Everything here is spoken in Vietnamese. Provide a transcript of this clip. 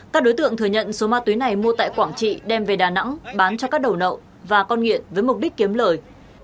các đối tượng thừa nhận số ma túy này mua tại quảng trị đem về đà nẵng bán cho các đầu nậu và con nghiện với mục đích kiếm lời